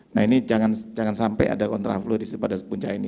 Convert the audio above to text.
nah ini jangan sampai ada kontraflow di pada puncak ini